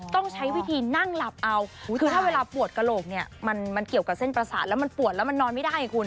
ต้องใช้วิธีนั่งหลับเอาคือถ้าเวลาปวดกระโหลกเนี่ยมันเกี่ยวกับเส้นประสาทแล้วมันปวดแล้วมันนอนไม่ได้คุณ